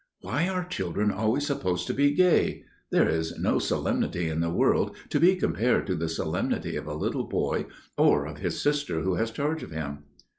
"Why are children always supposed to be gay? There is no solemnity in the world to be compared to the solemnity of a little boy, or of his sister who has charge of him.